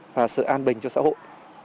và sự an bình cho xã hội